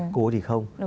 cô ấy thì không